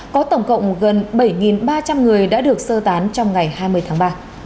có tổng cộng gần bảy ba trăm linh người đã được sơ tán trong ngày hai mươi tháng ba